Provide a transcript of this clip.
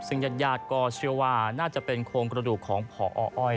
ซึ่งญาติก็เชื่อว่าน่าจะเป็นโครงกระดูกของพออ้อย